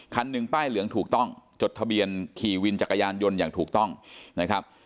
คันหนึ่งป้ายเหลืองถูกต้องจดทะเบียนขี่วินจักรยานยนต์อย่างถูกต้องนะครับ